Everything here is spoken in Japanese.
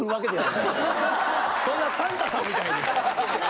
そんなサンタさんみたいに。